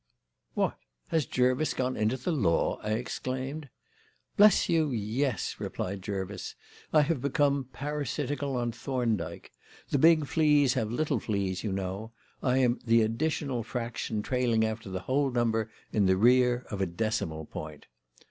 "What! Has Jervis gone into the law?" I exclaimed. "Bless you, yes!" replied Jervis. "I have become parasitical on Thorndyke! 'The big fleas have little fleas,' you know. I am the additional fraction trailing after the whole number in the rear of a decimal point."